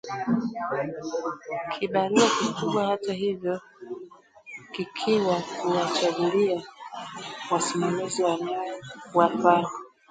Kibarua kikubwa hata hivyo kikiwa kuwachagulia wasimamizi wanaowafaa